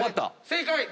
正解！